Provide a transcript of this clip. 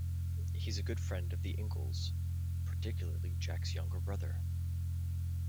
He's a good friend of the Ingles', particularly Jack's younger brother.